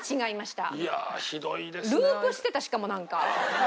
ループしてたしかもなんか。